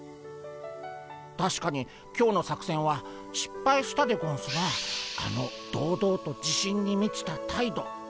たしかに今日の作戦はしっぱいしたでゴンスがあの堂々と自信にみちた態度。